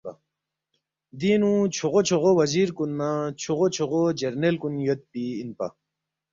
دینگ نُو چھوغو چھوغو وزیر کُن نہ چھوغو جرنیل کُن یودپی اِنپا